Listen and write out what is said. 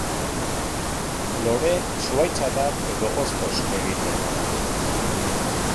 Lore, zuhaitz adar edo hostoz egiten da.